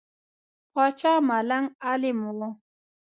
پاچا ملنګ عالم وو.